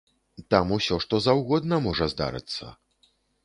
Там усё што заўгодна можа здарыцца.